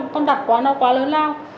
con đặt quá nào quá lớn lao